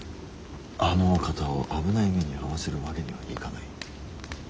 あのお方を危ない目に遭わせるわけにはいかない。